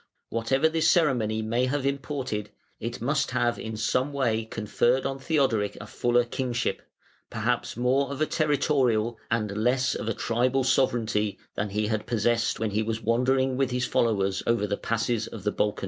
Whatever this ceremony may have imported, it must have in some way conferred on Theodoric a fuller kingship, perhaps more of a territorial and less of a tribal sovereignty than he had possessed when he was wandering with his followers over the passes of the Balkans.